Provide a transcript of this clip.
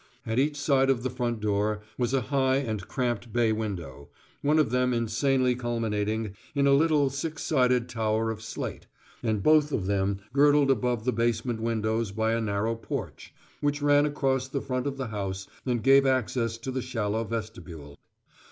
At each side of the front door was a high and cramped bay window, one of them insanely culminating in a little six sided tower of slate, and both of them girdled above the basement windows by a narrow porch, which ran across the front of the house and gave access to the shallow vestibule.